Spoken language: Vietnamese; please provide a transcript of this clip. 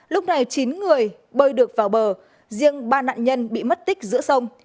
lúc này chín người bơi được vào bờ riêng ba nạn nhân bị mất tích giữa sông